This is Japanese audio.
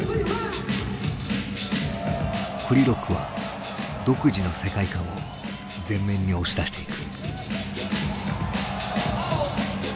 ＦＬＥＡＲＯＣＫは独自の世界観を前面に押し出していく。